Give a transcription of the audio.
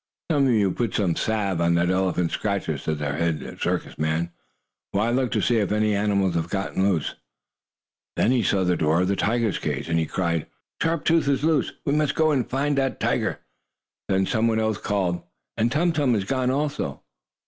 "Some of you put some salve on the elephant's scratches," said the head circus man, "while I look to see if any other animals have gotten loose." Then he saw the open door of the tiger's cage, and he cried: "Sharp Tooth is loose! We must go and find that tiger!" Then some one else called: "And Tum Tum is gone also!"